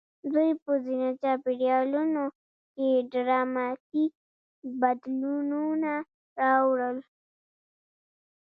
دوی په ځینو چاپېریالونو کې ډراماتیک بدلونونه راوړل.